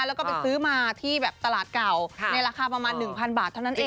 มันไปซื้อมาที่ตลาดเก่าราคาประมาณ๑๐๐๐บาทเท่านั้นเอง